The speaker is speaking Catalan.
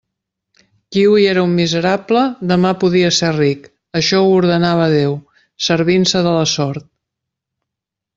Qui hui era un miserable, demà podia ser ric: això ho ordenava Déu, servint-se de la sort.